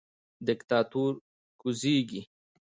دیکتاتور کوزیږي